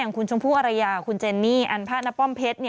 อย่างคุณชมพู่อรัยากับคุณเจนนี่อันพระนับป้อมเพชร